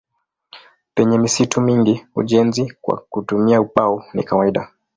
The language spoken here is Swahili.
Penye misitu mingi ujenzi kwa kutumia ubao ni kawaida.